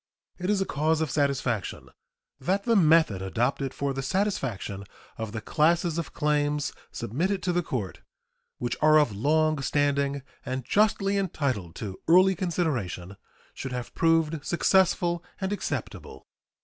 It is a cause of satisfaction that the method adopted for the satisfaction of the classes of claims submitted to the court, which are of long standing and justly entitled to early consideration, should have proved successful and acceptable.